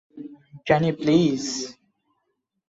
Danny, please.